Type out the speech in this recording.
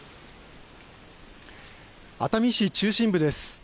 熱海市中心部です。